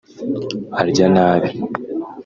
arya nabi